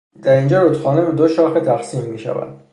در اینجا رودخانه به دو شاخه تقسیم میشود.